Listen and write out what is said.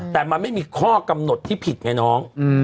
แต่มันไม่มีข้อกำหนดที่ผิดไงน้อง